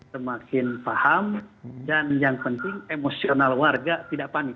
semakin paham dan yang penting emosional warga tidak panik